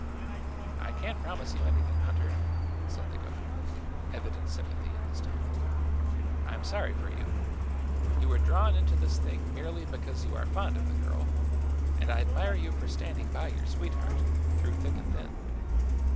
"I can't promise you anything, Hunter," said the governor, evident sympathy in his tone. "I'm sorry for you. You were drawn into this thing merely because you are fond of the girl, and I admire you for standing by your sweetheart, through thick and thin.